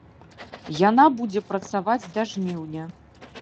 Яна будзе працаваць да жніўня.